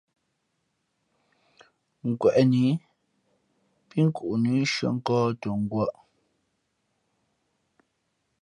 Kweꞌni pí nkuʼnǐ shʉᾱ nkᾱᾱ tα ngwᾱʼ.